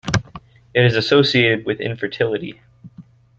It is associated with infertility.